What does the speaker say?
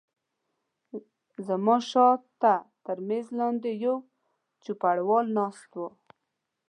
زما شاته پر مېز باندې یو چوپړوال ناست و.